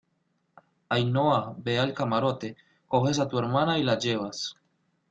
Ainhoa, ve al camarote , coges a tu hermana y la llevas